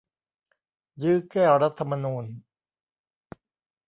ยื้อแก้รัฐธรรมนูญ !